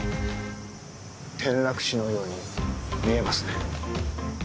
転落死のように見えますね